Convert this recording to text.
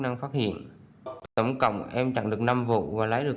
em đang phát hiện tổng cộng em chẳng được năm vụ và lấy được năm trăm linh